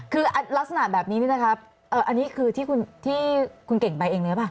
คือลักษณะแบบนี้นี่นะครับอันนี้คือที่คุณเก่งไปเองเลยหรือเปล่า